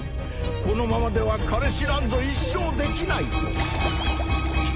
このままでは彼氏なんぞ一生できないとヒィーッ！